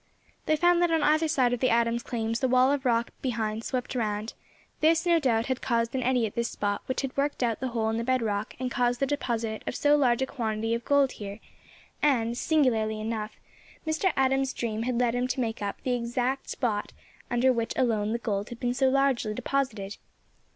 They found that on either side of the Adams' claims the wall of rock behind swept round; this, no doubt, had caused an eddy at this spot, which had worked out the hole in the bed rock, and caused the deposit of so large a quantity of gold here; and, singularly enough, Mr. Adams' dream had led him to take up the exact spot under which alone the gold had been so largely deposited.